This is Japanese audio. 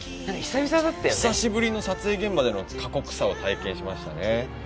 久しぶりの撮影現場での過酷さを体験しましたね。